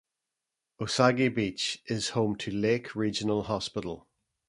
Osage Beach is home to Lake Regional Hospital.